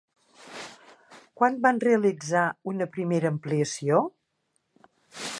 Quan van realitzar una primera ampliació?